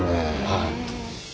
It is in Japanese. はい。